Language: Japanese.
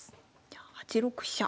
じゃあ８六飛車。